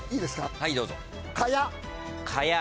はいどうぞ。